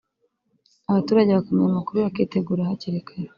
abaturage bakamenya amakuru bakitegura hakiri kare